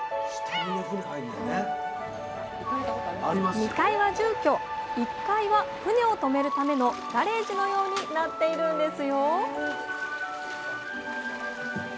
２階は住居１階は船をとめるためのガレージのようになっているんですよ